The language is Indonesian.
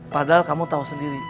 padahal kamu tau sendiri